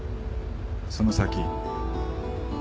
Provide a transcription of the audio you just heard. その先。